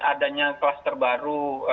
adanya klaster baru